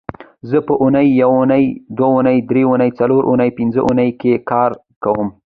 زه په اونۍ یونۍ دونۍ درېنۍ څلورنۍ او پبنځنۍ کې کار کوم